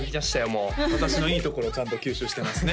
もう私のいいところをちゃんと吸収してますね